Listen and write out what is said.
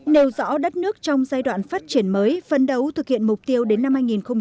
nêu rõ đất nước trong giai đoạn phát triển mới phân đấu thực hiện mục tiêu đến năm hai nghìn bốn mươi năm